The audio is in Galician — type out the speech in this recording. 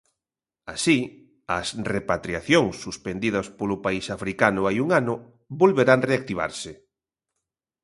Así, as repatriacións, suspendidas polo país africano hai un ano, volverán reactivarse.